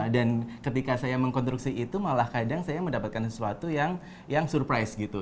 dan ketika saya mengkonstruksi itu malah kadang saya mendapatkan sesuatu yang surprise gitu